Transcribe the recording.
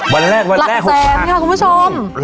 วันแรกวันแรกหกหลักลักแสนค่ะคุณผู้ชม